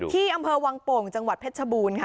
ที่อำเภอวังโป่งจังหวัดเพชรชบูรณ์ค่ะ